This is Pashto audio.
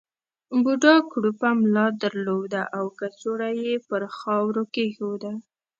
بوډا کړوپه ملا درلوده او کڅوړه یې پر خاورو کېښوده.